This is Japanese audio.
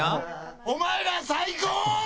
お前ら最高！